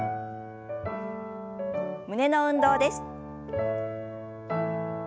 胸の運動です。